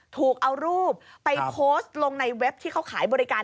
ถูกเอารูปไปโพสต์ลงในเว็บที่เขาขายบริการ